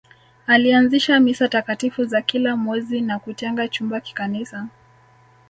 Alianzisha Misa takatifu za kila mwezi na kutenga chumba kikanisa